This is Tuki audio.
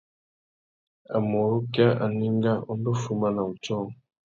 A mà urukia anénga, u ndú fuma na wutiō.